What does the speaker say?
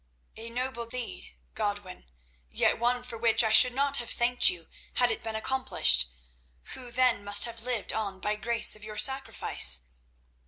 "A noble deed, Godwin, yet one for which I should not have thanked you had it been accomplished, who then must have lived on by grace of your sacrifice.